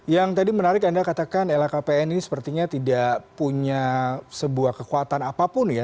yang tadi menarik anda katakan lhkpn ini sepertinya tidak punya sebuah kekuatan apapun ya